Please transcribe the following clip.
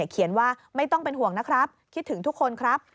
เขียนว่าไม่ต้องเป็นห่วงนะครับคิดถึงทุกคนครับ